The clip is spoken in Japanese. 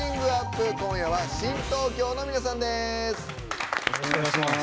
今夜は新東京の皆さんです。